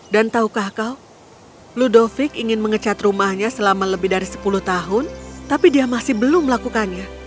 dan tahukah kau ludovic ingin mengecat rumahnya selama lebih dari sepuluh tahun tapi dia masih belum melakukannya